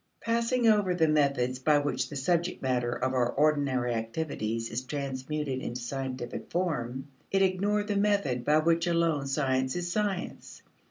Passing over the methods by which the subject matter of our ordinary activities is transmuted into scientific form, it ignored the method by which alone science is science.